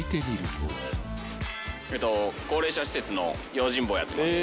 高齢者施設の用心棒やってます。